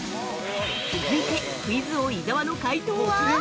◆続いて、クイズ王・伊沢の解答は？